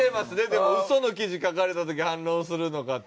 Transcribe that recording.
でも嘘の記事書かれた時反論するのかって。